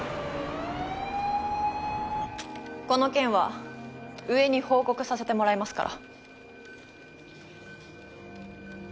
この件は上に報告させてもらいますから。